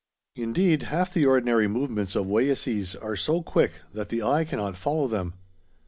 Indeed, half the ordinary movements of Wayeeses are so quick that the eye cannot follow them.